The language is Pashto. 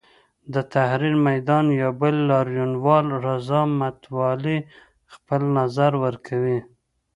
د تحریر میدان یو بل لاریونوال رضا متوالي خپل نظر ورکوي.